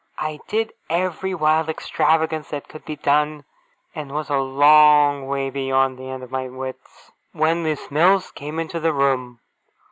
I did every wild extravagance that could be done, and was a long way beyond the end of my wits when Miss Mills came into the room.